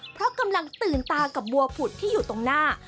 เพราะกำลังตื่นตากับบัวผุดที่อยู่ตรงหน้า